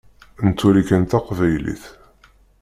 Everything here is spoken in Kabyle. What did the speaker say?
Nettwali kan taqbaylit.